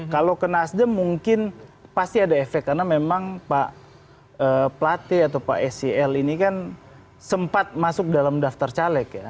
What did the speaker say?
kalau ke nasdem mungkin pasti ada efek karena memang pak plate atau pak sel ini kan sempat masuk dalam daftar caleg ya